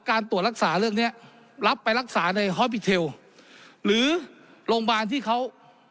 การตรวจรักษาเรื่องเนี้ยรับไปรักษาในฮอปปิเทลหรือโรงพยาบาลที่เขา